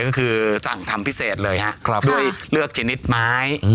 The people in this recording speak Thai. ก็คือสั่งทำพิเศษเลยฮะด้วยเลือกชนิดไม้